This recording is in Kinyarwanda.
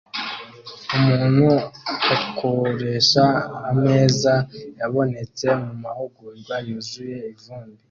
Umuntu akoresha ameza yabonetse mumahugurwa yuzuye ivumbi